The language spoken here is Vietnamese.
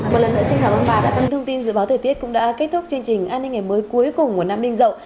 một lần nữa xin cảm ơn bà đã thông tin dự báo thời tiết cũng đã kết thúc chương trình an ninh ngày mới cuối cùng của năm đinh dậu